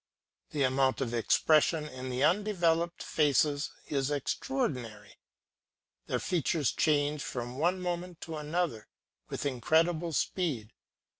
The amount of expression in these undeveloped faces is extraordinary; their features change from one moment to another with incredible speed.